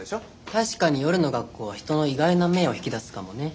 確かに夜の学校は人の意外な面を引き出すかもね。